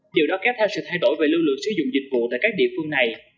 điều đó kết thúc sự thay đổi về lưu lượng sử dụng dịch vụ tại các địa phương này